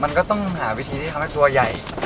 มันก็ต้องหาวิธีที่ทำให้ตัวใหญ่